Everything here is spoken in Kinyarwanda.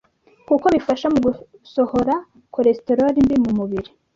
Kuko bifasha mu gusohora cholesterol mbi mu mubiri,